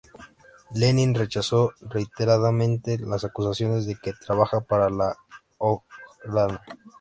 Lenin rechazó reiteradamente las acusaciones de que trabajaba para la Ojrana.